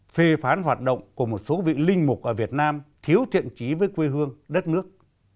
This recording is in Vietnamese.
phê phán hoạt động của một số vị linh mục ở việt nam thiếu thiện trí với quê hương đất nước